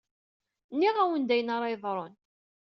Nniɣ-awen d ayenni ara yeḍṛun.